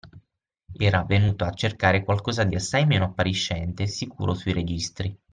Era venuto a cercare qualcosa di assai meno appariscente e sicuro sui registri